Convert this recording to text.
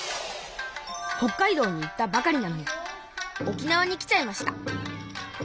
北海道に行ったばかりなのに沖縄に来ちゃいました。